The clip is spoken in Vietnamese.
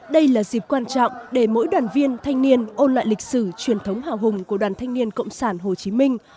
đây là dịp quan trọng để mỗi đoàn viên thanh niên ôn lại lịch sử truyền thống hào hùng của đoàn thanh niên cộng sản hồ chí minh